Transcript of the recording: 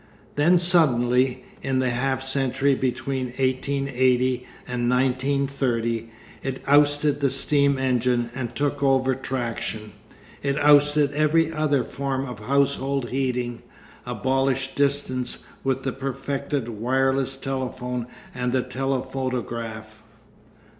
Then suddenly, in the half century between 1880 and 1930, it ousted the steam engine and took over traction, it ousted every other form of household heating, abolished distance with the perfected wireless telephone and the telephotograph....